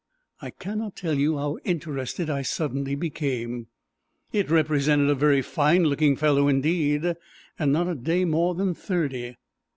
I cannot tell you how interested I suddenly became. It represented a very fine looking fellow, indeed, and not a day more than thirty.